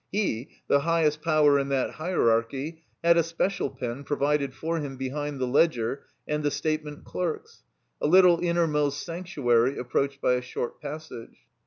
He, the highest power in that hierarchy, had a special pen provided for him behind the ledger and the statement clerks ; a little innermost sanctuary approached by a short passage.